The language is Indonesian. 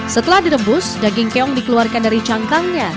setelah direbus daging keong dikeluarkan dari cangkangnya